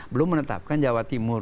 belum menetapkan jawa timur